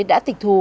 đã tịch thu